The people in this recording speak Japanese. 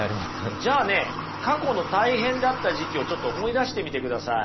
じゃあね過去の大変だった時期をちょっと思い出してみてください。